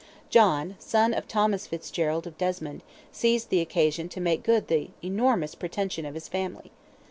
John, son of Thomas Fitzgerald of Desmond, seized the occasion to make good the enormous pretension of his family.